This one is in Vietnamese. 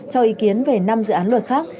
cho ý kiến về năm dự án luật khác